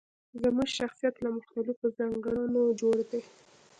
زموږ شخصيت له مختلفو ځانګړنو جوړ دی.